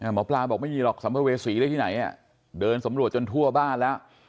หมอปลาบอกไม่มีหรอกสัมภเวษีได้ที่ไหนเดินสำรวจจนทั่วบ้านแล้ว